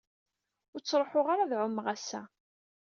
Ur ttruḥuɣ ara ad ɛummeɣ ass-a.